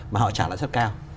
mà họ trả lợi sức cao